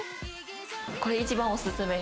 これ一番おすすめ。